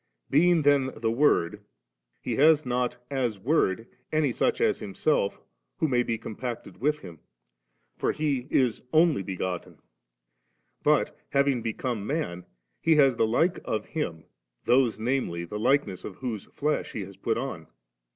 Being then the Word, He has not, as Word 3, any such as Himself, who may be compacted with Him ; for He is Only b^o^ ten ; but having become man. He has the like of Him, those namely the likeness of whose flesh He has put on.